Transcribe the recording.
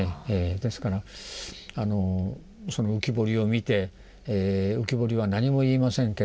ですからその浮き彫りを見て浮き彫りは何も言いませんけれども。